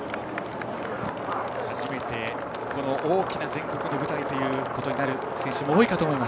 初めての大きな全国の舞台となる選手も多いかと思います。